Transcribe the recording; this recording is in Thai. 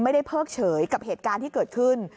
เพิกเฉยกับเหตุการณ์ที่เกิดขึ้น